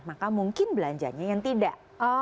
maka mungkin belanjanya yang tidak